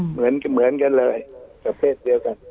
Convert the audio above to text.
เหมือนกันเลยประเภทเดียวกัน